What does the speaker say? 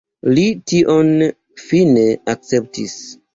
Li tion fine akceptis.